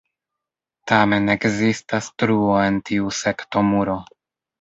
Tamen ekzistas truo en tiu sektomuro.